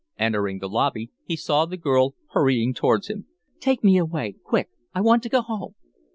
Entering the lobby, he saw the girl hurrying towards him. "Take me away, quick! I want to go home."